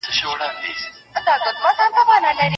دا یو ملي او تاریخي سیستم و چي د ولس لپاره یې کار کاوه.